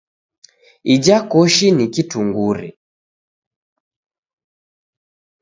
Ija koshi ni kitungure.